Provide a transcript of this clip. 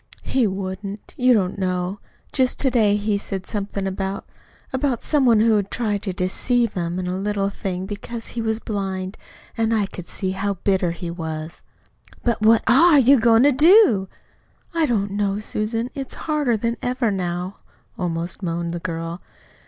"He wouldn't. You don't know. Just to day he said something about about some one who had tried to deceive him in a little thing, because he was blind; and I could see how bitter he was." "But what ARE you goin' to do?" "I don't know, Susan. It's harder than ever now," almost moaned the girl.